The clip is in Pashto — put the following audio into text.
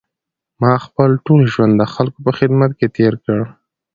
ما خپل ټول ژوند د خلکو په خدمت کې تېر کړی.